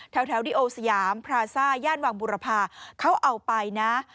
ดิโอสยามพราซ่าย่านวังบุรพาเขาเอาไปนะ